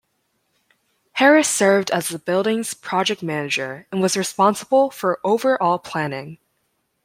Harris served as the building's project manager and was responsible for overall planning.